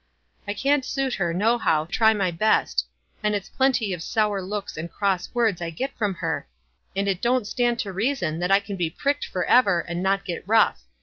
I can't suit her, nohow, try my best ; and it's plenty of sour looks and cross words I get from her ; and it don't stand to reason that I can be pricked forever, and not get rough.